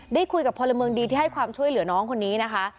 ได้คุยกับพลเมืองดีที่ให้ความช่วยเหลือน้องคนนี้นะคะ